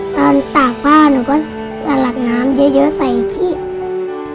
ตอนตากผ้าหนูก็หลักน้ำเยอะใส่ชิ้น